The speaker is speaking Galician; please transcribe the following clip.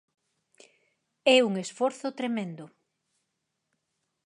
É un esforzo tremendo.